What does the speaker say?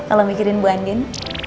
kalau mikirin bu andien